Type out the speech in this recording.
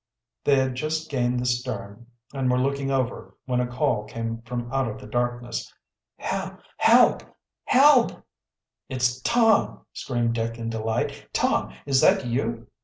They had just gained the stern and were looking over when a call came from out of the darkness. "He help! Help!" "It's Tom!" screamed Dick in delight. "Tom, is that you?"